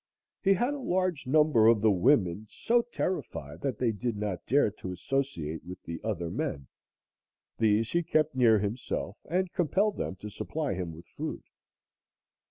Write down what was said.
He had a large number of the women so terrified that they did not dare to associate with the other men; these he kept near himself and compelled them to supply him with food.